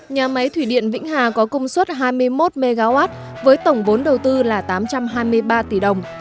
nhà máy thủy điện vĩnh hà có công suất hai mươi một mw với tổng vốn đầu tư là tám trăm hai mươi ba tỷ đồng